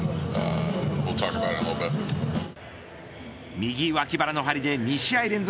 右脇腹の張りで２試合連続